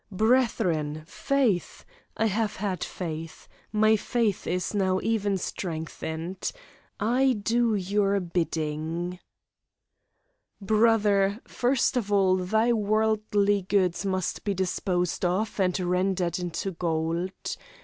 "Brethren, faith! I have had faith; my faith is now even strengthened. I do your bidding." "Brother, first of all thy worldly goods must be disposed of and rendered into gold.